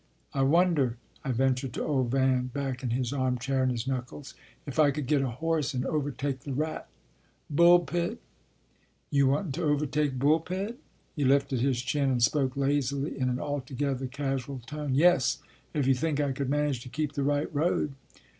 " I wonder," I ventured to old Van, back in his armchair and his knuckles, "if I could get a horse and overtake the Rat Bullpit ?" "You wantin to overtake Bullpit?" He lifted his chin and spoke lazily in an altogether casual tone. "Yes, if you think I could manage to keep the right road."